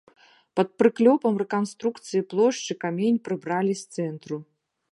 Пад прыклёпам рэканструкцыі плошчы камень прыбралі з цэнтру.